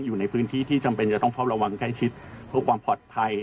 อยู่ในพื้นที่ที่จำเป็นจะต้องเฝ้าระวังใกล้ชิดเพื่อความปลอดภัย